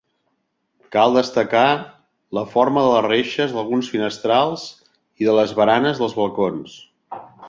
Cal destacar la forma de les reixes d'alguns finestrals i de les baranes dels balcons.